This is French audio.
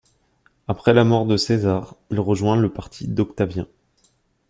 Après la mort de César, il rejoint le parti d’Octavien.